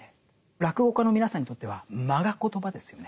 落語家の皆さんにとっては間がコトバですよね。